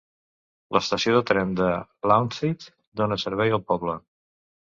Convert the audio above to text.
L'estació de tren de Llanwrtyd dona servei al poble.